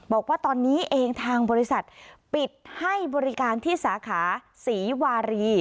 บอกว่าตอนนี้เองทางบริษัทปิดให้บริการที่สาขาศรีวารี